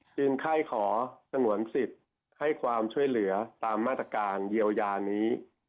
จึงไข้ขอสงวนสิทธิ์ให้ความช่วยเหลือตามมาตรการเยียวยานี้